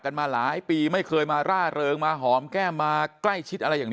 มาหลายปีไม่เคยมาร่าเริงมาหอมแก้มมาใกล้ชิดอะไรอย่าง